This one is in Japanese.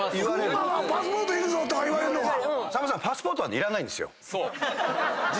さんまさんパスポートいらないんですよ。